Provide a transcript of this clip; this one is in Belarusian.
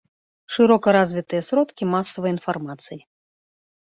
Шырока развітыя сродкі масавай інфармацыі.